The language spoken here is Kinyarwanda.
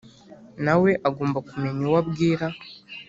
nawe agomba kumenya uwo abwira